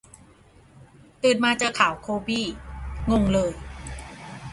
ตื่นมาเจอข่าวโคบี้ งงเลย